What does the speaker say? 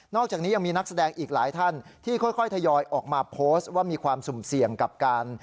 อกจากนี้ยังมีนักแสดงอีกหลายท่านที่ค่อยทยอยออกมาโพสต์ว่ามีความสุ่มเสี่ยงกับการ